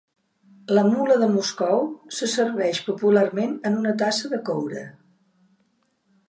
La mula de Moscow se serveix popularment en una tassa de coure.